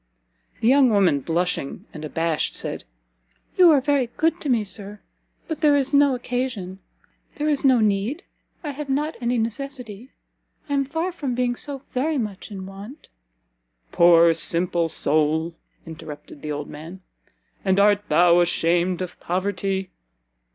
The young woman, blushing and abashed, said, "You are very good to me, Sir, but there is no occasion there is no need I have not any necessity I am far from being so very much in want " "Poor, simple soul!" interrupted the old man, "and art thou ashamed of poverty?